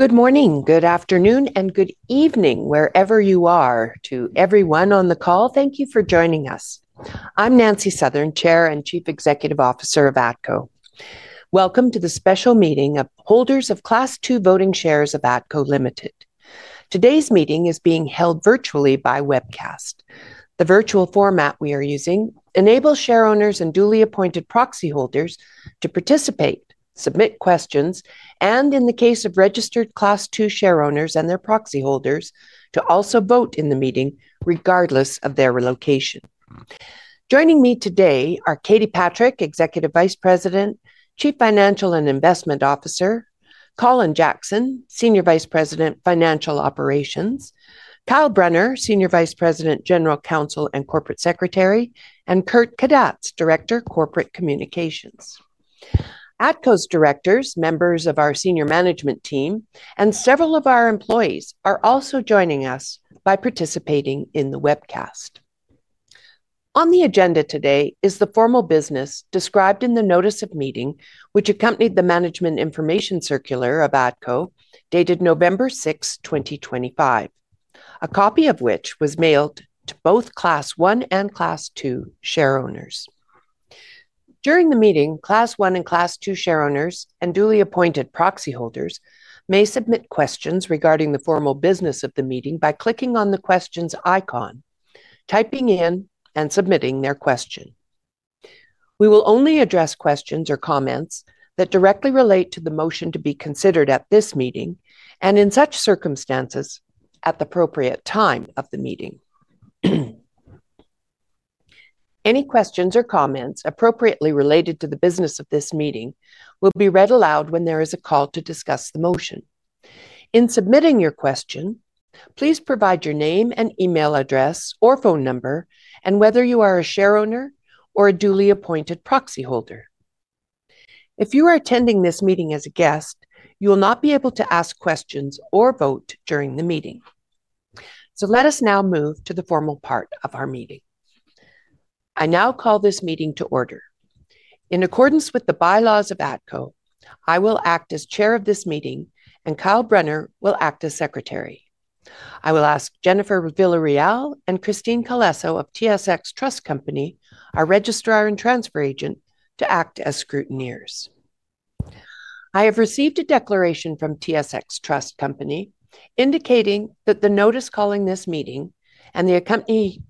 Good morning, good afternoon, and good evening wherever you are. To everyone on the call, thank you for joining us. I'm Nancy Southern, Chair and Chief Executive Officer of ATCO. Welcome to the special meeting of holders of Class II Voting Shares of ATCO Limited. Today's meeting is being held virtually by webcast. The virtual format we are using enables share owners and duly appointed proxy holders to participate, submit questions, and, in the case of registered Class II share owners and their proxy holders, to also vote in the meeting regardless of their location. Joining me today are Katie Patrick, Executive Vice President, Chief Financial and Investment Officer, Colin Jackson, Senior Vice President, Financial Operations, Kyle Brunner, Senior Vice President, General Counsel and Corporate Secretary, and Kurt Kadatz, Director, Corporate Communications. ATCO's directors, members of our senior management team, and several of our employees are also joining us by participating in the webcast. On the agenda today is the formal business described in the Notice of Meeting which accompanied the Management Information Circular of ATCO dated November 6, 2025, a copy of which was mailed to both Class I and Class II share owners. During the meeting, Class I and Class II share owners and duly appointed proxy holders may submit questions regarding the formal business of the meeting by clicking on the questions icon, typing in, and submitting their question. We will only address questions or comments that directly relate to the motion to be considered at this meeting and, in such circumstances, at the appropriate time of the meeting. Any questions or comments appropriately related to the business of this meeting will be read aloud when there is a call to discuss the motion. In submitting your question, please provide your name and email address or phone number and whether you are a share owner or a duly appointed proxy holder. If you are attending this meeting as a guest, you will not be able to ask questions or vote during the meeting. So let us now move to the formal part of our meeting. I now call this meeting to order. In accordance with the bylaws of ATCO, I will act as chair of this meeting and Kyle Brunner will act as secretary. I will ask Jennifer Villarreal and Christine Colaso of TSX Trust Company, our Registrar and Transfer Agent, to act as scrutineers. I have received a declaration from TSX Trust Company indicating that the notice calling this meeting and the accompanying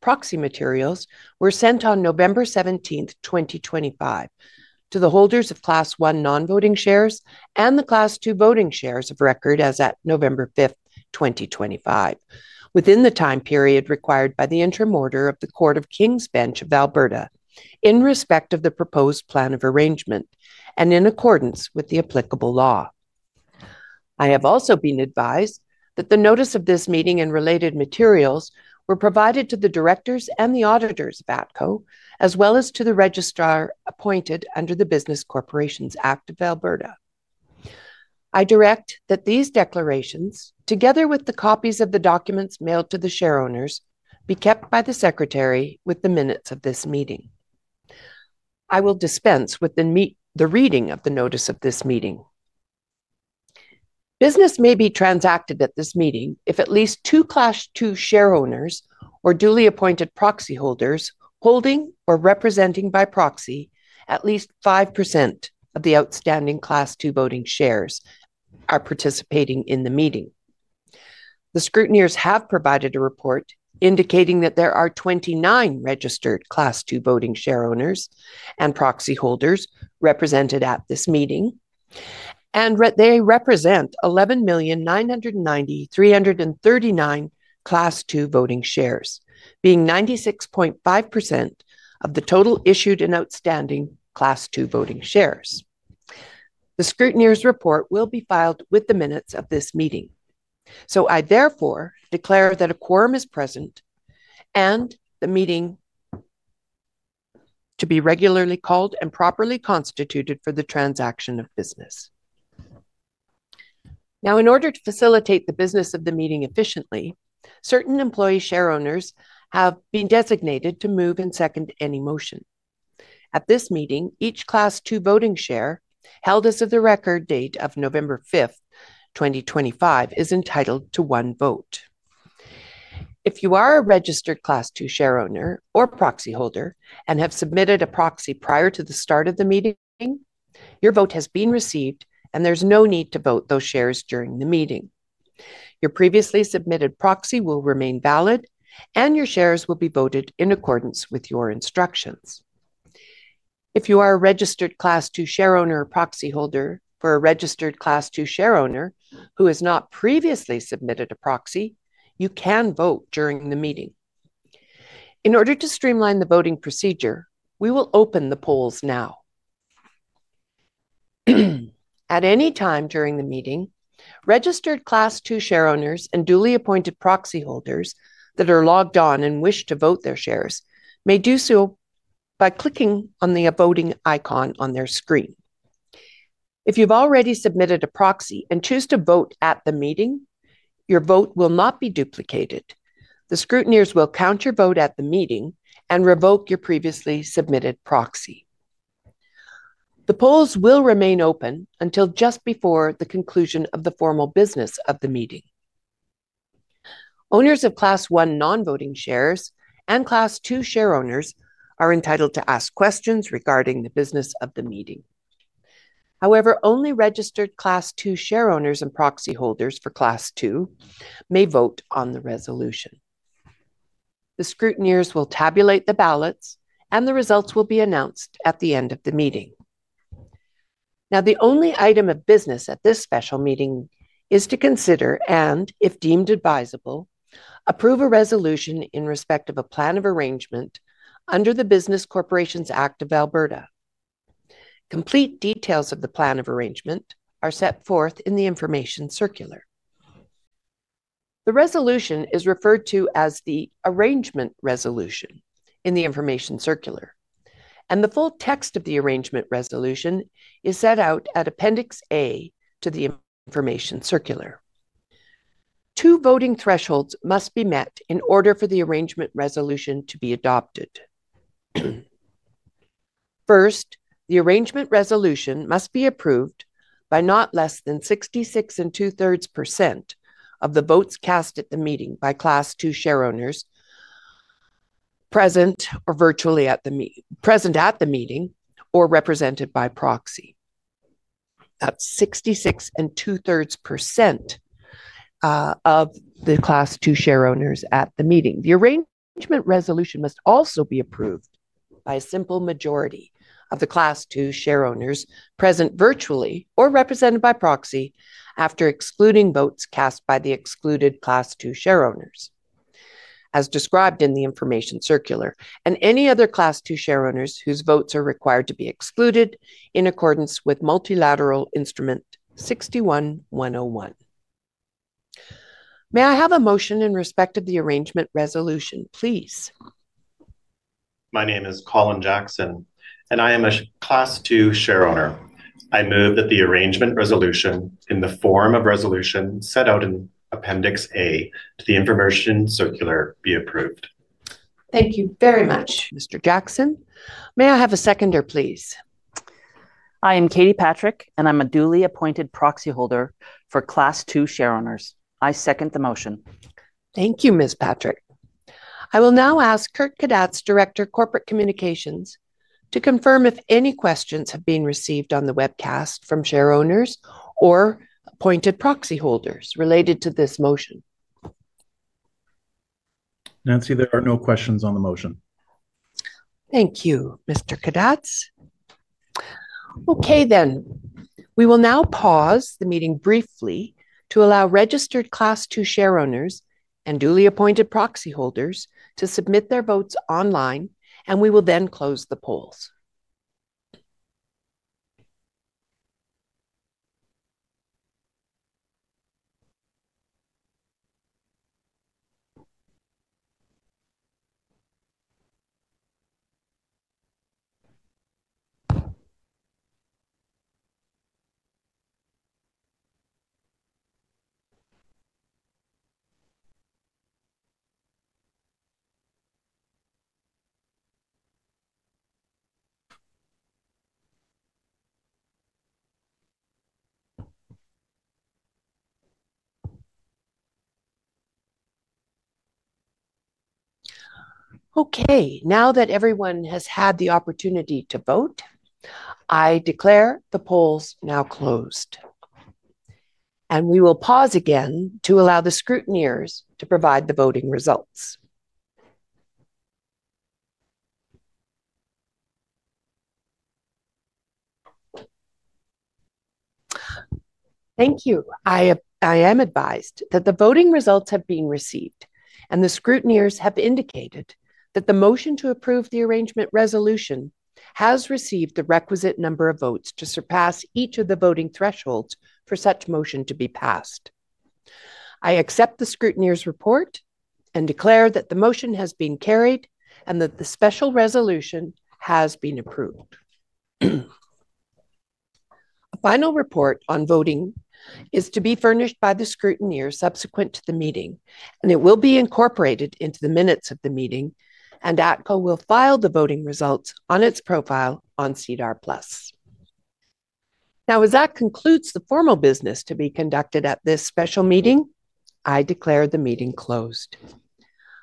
proxy materials were sent on November 17, 2025, to the holders of Class I Non-Voting Shares and the Class II Voting Shares of record as at November 5, 2025, within the time period required by the interim order of the Court of King's Bench of Alberta in respect of the proposed Plan of Arrangement and in accordance with the applicable law. I have also been advised that the notice of this meeting and related materials were provided to the directors and the auditors of ATCO, as well as to the registrar appointed under the Business Corporations Act of Alberta. I direct that these declarations, together with the copies of the documents mailed to the share owners, be kept by the secretary with the minutes of this meeting. I will dispense with the reading of the notice of this meeting. Business may be transacted at this meeting if at least two Class II share owners or duly appointed proxy holders holding or representing by proxy at least 5% of the outstanding Class II Voting Shares are participating in the meeting. The scrutineers have provided a report indicating that there are 29 registered Class II Voting share owners and proxy holders represented at this meeting, and they represent 11,990,339 Class II Voting Shares, being 96.5% of the total issued and outstanding Class II Voting Shares. The scrutineer's report will be filed with the minutes of this meeting. So I therefore declare that a quorum is present and the meeting to be regularly called and properly constituted for the transaction of business. Now, in order to facilitate the business of the meeting efficiently, certain employee share owners have been designated to move and second any motion. At this meeting, each Class II Voting Share held as of the record date of November 5, 2025, is entitled to one vote. If you are a registered Class II share owner or proxy holder and have submitted a proxy prior to the start of the meeting, your vote has been received and there's no need to vote those shares during the meeting. Your previously submitted proxy will remain valid and your shares will be voted in accordance with your instructions. If you are a registered Class II share owner or proxy holder for a registered Class II share owner who has not previously submitted a proxy, you can vote during the meeting. In order to streamline the voting procedure, we will open the polls now. At any time during the meeting, registered Class II share owners and duly appointed proxy holders that are logged on and wish to vote their shares may do so by clicking on the voting icon on their screen. If you've already submitted a proxy and choose to vote at the meeting, your vote will not be duplicated. The scrutineers will count your vote at the meeting and revoke your previously submitted proxy. The polls will remain open until just before the conclusion of the formal business of the meeting. Owners of Class I Non-Voting Shares and Class II share owners are entitled to ask questions regarding the business of the meeting. However, only registered Class II share owners and proxy holders for Class II may vote on the resolution. The scrutineers will tabulate the ballots and the results will be announced at the end of the meeting. Now, the only item of business at this special meeting is to consider and, if deemed advisable, approve a resolution in respect of a Plan of Arrangement under the Business Corporations Act of Alberta. Complete details of the Plan of Arrangement are set forth in the Information Circular. The resolution is referred to as the Arrangement Resolution in the Information Circular, and the full text of the Arrangement Resolution is set out at Appendix A to the Information Circular. Two voting thresholds must be met in order for the Arrangement Resolution to be adopted. First, the Arrangement Resolution must be approved by not less than 66 and two-thirds% of the votes cast at the meeting by Class II share owners present at the meeting or represented by proxy. That's 66 and two-thirds% of the Class II share owners at the meeting. The Arrangement Resolution must also be approved by a simple majority of the Class II shareholders present virtually or represented by proxy after excluding votes cast by the excluded Class II shareholders, as described in the Information Circular, and any other Class II shareholders whose votes are required to be excluded in accordance with Multilateral Instrument 61-101. May I have a motion in respect of the Arrangement Resolution, please? My name is Colin Jackson, and I am a Class II share owner. I move that the Arrangement Resolution in the form of resolution set out in Appendix A to the Information Circular be approved. Thank you very much, Mr. Jackson. May I have a seconder, please? I am Katie Patrick, and I'm a duly appointed proxy holder for Class II share owners. I second the motion. Thank you, Ms. Patrick. I will now ask Kurt Kadatz, Director, Corporate Communications, to confirm if any questions have been received on the webcast from share owners or appointed proxy holders related to this motion. Nancy, there are no questions on the motion. Thank you, Mr. Kadatz. Okay, then. We will now pause the meeting briefly to allow registered Class II share owners and duly appointed proxy holders to submit their votes online, and we will then close the polls. Okay. Now that everyone has had the opportunity to vote, I declare the polls now closed, and we will pause again to allow the scrutineers to provide the voting results. Thank you. I am advised that the voting results have been received and the scrutineers have indicated that the motion to approve the Arrangement Resolution has received the requisite number of votes to surpass each of the voting thresholds for such motion to be passed. I accept the scrutineer's report and declare that the motion has been carried and that the special resolution has been approved. A final report on voting is to be furnished by the scrutineer subsequent to the meeting, and it will be incorporated into the minutes of the meeting, and ATCO will file the voting results on its profile on SEDAR+. Now, as that concludes the formal business to be conducted at this special meeting, I declare the meeting closed.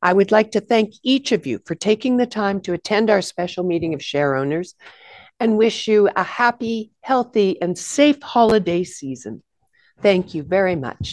I would like to thank each of you for taking the time to attend our special meeting of share owners and wish you a happy, healthy, and safe holiday season. Thank you very much.